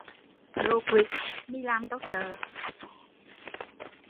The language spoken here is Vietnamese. Đồ quỷ, mi làm tau sợ